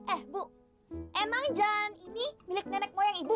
eh bu emang jan ini milik nenek moyang ibu